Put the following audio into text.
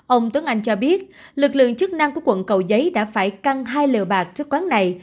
ông tuấn anh cho biết lực lượng chức năng của quận cầu giấy đã phải căng hai lều bạc trước quán này